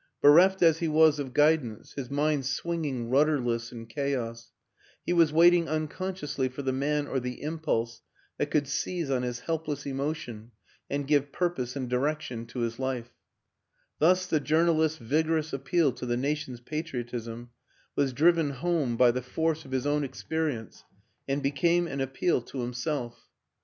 Bereft as he was of guidance, his mind swinging rudderless in chaos, he was waiting unconsciously for the man or the impulse that could seize on his helpless emotion and give purpose and direction to his life; thus the journalist's vigorous appeal to the na tion's patriotism was driven home by the force of his own experience and became an appeal to him self.